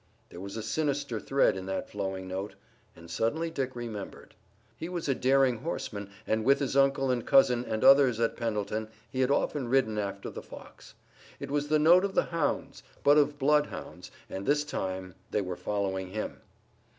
There was a sinister thread in that flowing note, and suddenly Dick remembered. He was a daring horseman and with his uncle and cousin and others at Pendleton he had often ridden after the fox. It was the note of the hounds, but of bloodhounds, and this time they were following him.